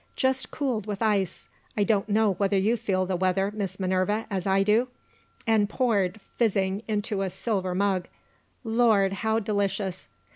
Just cooled with ice I don't know whether you feel the weather, Miss Minerva, as I do? and poured, fizzing, into a silver mug. Lord, how delicious!